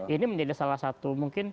ini menjadi salah satu mungkin